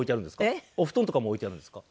えっ？お布団とかも置いてあるんですか。